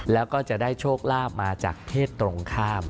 แล้วก็จะได้โชคลาภมาจากเพศตรงข้าม